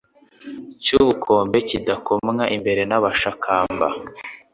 cy'ubukombe kidakomwa imbere n'abashakamba.